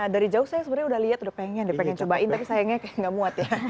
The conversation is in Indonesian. dari jauh saya sebenarnya udah lihat udah pengen deh pengen cobain tapi sayangnya kayak gak muat ya